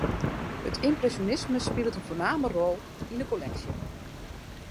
It ympresjonisme spilet in foarname rol yn 'e kolleksje.